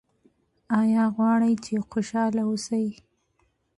ایا غواړئ چې خوشحاله اوسئ؟